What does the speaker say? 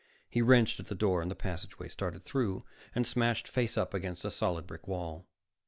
He wrenched at the door to the passageway, started through, and smashed face up against a solid brick wall.